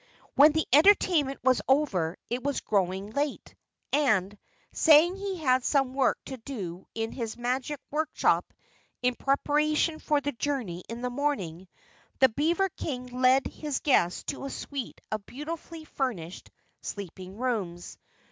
When the entertainment was over it was growing late, and, saying he had some work to do in his magic workshop, in preparation for the journey in the morning, the beaver King led his guests to a suite of beautifully furnished sleeping rooms.